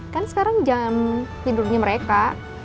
kan sekarang jam tidurnya mereka